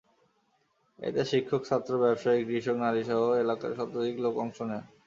এতে শিক্ষক, ছাত্র, ব্যবসায়ী, কৃষক, নারীসহ এলাকার শতাধিক লোক অংশ নেন।